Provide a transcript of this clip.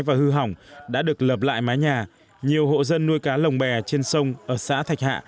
và hư hỏng đã được lập lại mái nhà nhiều hộ dân nuôi cá lồng bè trên sông ở xã thạch hạ